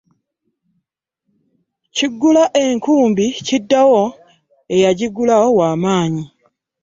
Kigula enkumbi kiddawo nga eyajigula wa maanyi .